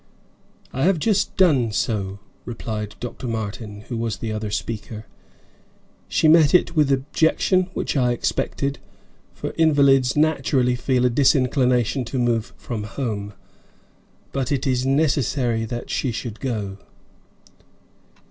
"I have just done so," replied Dr. Martin, who was the other speaker. "She met it with objection, which I expected, for invalids naturally feel a disinclination to move from home. But it is necessary that she should go."